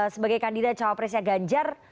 sebagai kandidat calon presiden ganjar